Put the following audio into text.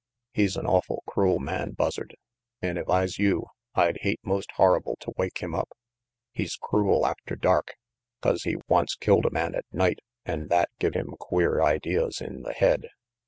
He's an awful crool man, Buzzard, an' if I's you I'd hate most horrible to wake him up. He's crool after dark, 'cause he once killed a man at night an' that give him queer ideas in the head.